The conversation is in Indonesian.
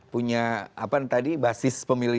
punya apa tadi basis pemilih